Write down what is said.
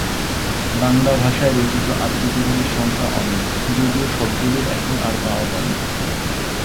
বাংলা ভাষায় রচিত আত্মজীবনীর সংখ্যা অনেক, যদিও সবগুলি এখন আর পাওয়া যায় না।